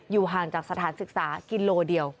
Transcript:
ห่างจากสถานศึกษากิโลเดียว